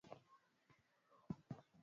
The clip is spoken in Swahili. Wakati wake Mungu si kama binadamu.